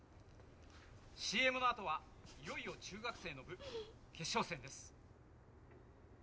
ＣＭの後はいよいよ中学生の部決勝戦です。